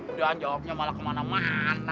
dan jawabnya malah kemana mana